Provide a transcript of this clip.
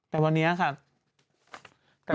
แต่วันนี้ค่ะ